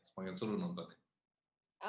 semakin seru nontonnya